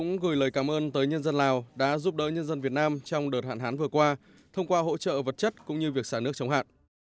giữa mặt trận lào đã giúp đỡ nhân dân việt nam trong đợt hạn hán vừa qua thông qua hỗ trợ vật chất cũng như việc xả nước chống hạn